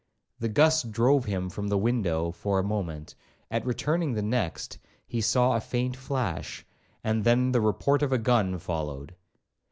The gust drove him from the window for a moment; at returning the next, he saw a faint flash, and then the report of a gun followed.